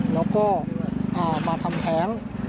แล้วก็มาทำแท้ง